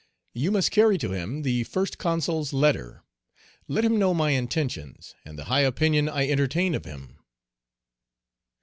You must carry to him the First Consul's letter; let him know my intentions, and the high opinion I entertain of him."